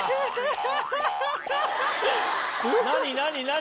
何？